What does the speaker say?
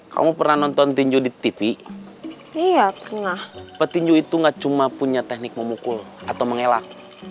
kamu pernah nonton tinju di tv iya tengah petinju itu gak cuma punya teknik memukul atau mengelak